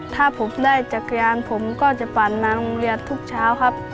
ถ้าผมได้จักรยานผมก็จะปั่นมาโรงเรียนทุกเช้าครับ